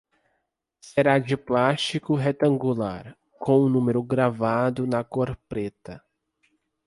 Será de plástico retangular, com o número gravado na cor preta.